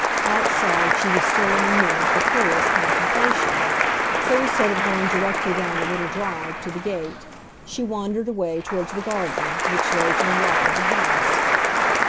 Outside, she was still in the humor for curious contemplation; so instead of going directly down the little drive, to the gate, she wandered away towards the garden, which lay to the right of the house.